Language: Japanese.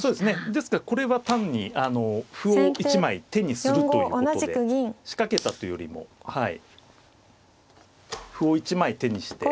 ですからこれは単に歩を１枚手にするということで仕掛けたというよりもはい歩を１枚手にして。